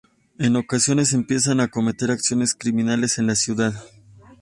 En ocasiones empiezan a cometer acciones criminales en la ciudad.